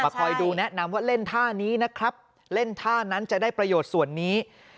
คอยดูแนะนำว่าเล่นท่านี้นะครับเล่นท่านั้นจะได้ประโยชน์ส่วนนี้